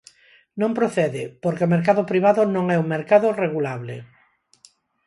Non procede, porque o mercado privado non é un mercado regulable.